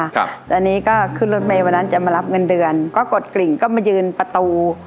ครับตอนนี้ก็ขึ้นรถเมย์วันนั้นจะมารับเงินเดือนก็กดกลิ่งก็มายืนประตู